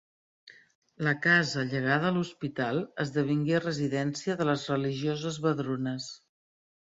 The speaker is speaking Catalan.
La casa llegada a l’Hospital esdevingué residència de les religioses Vedrunes.